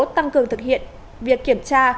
tăng cường thực hiện việc kiểm tra